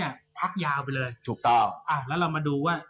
ทั้งค่อยพักยาวไปเลยเรามาดู